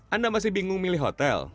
anda masih bingung milih hotel